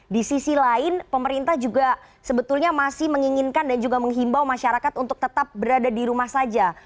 di sisi lain pemerintah juga sebetulnya masih menginginkan dan juga menghimbau masyarakat untuk tetap berada di rumah saja